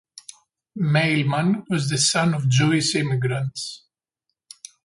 Mailman was the son of Jewish immigrants.